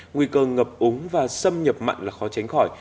nguy cơ ngập úng và xâm nhập mặn là khó tránh khỏi